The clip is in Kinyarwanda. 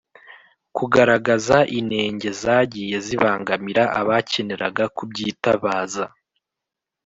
kugaragaza inenge zagiye zibangamira abakeneraga kubyitabaza.